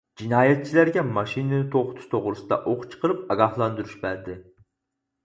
جىنايەتچىلەرگە ماشىنىنى توختىتىش توغرىسىدا ئوق چىقىرىپ ئاگاھلاندۇرۇش بەردى.